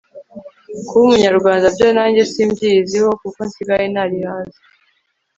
kuba umunyamurava byo, nanjye simbyiyiziho, kuko nsigaye narihaze